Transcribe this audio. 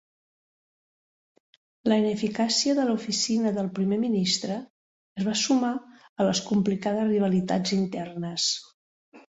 La ineficàcia de l'oficina del primer ministre es va sumar a les complicades rivalitats internes.